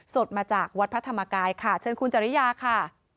สดมาจากวัดพระธรรมกายค่ะเชิญคุณจริยาค่ะ